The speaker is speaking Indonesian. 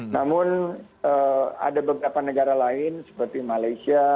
namun ada beberapa negara lain seperti malaysia